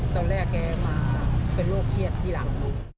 ตอนแรกแกมาเป็นโรคเครียดที่หลัง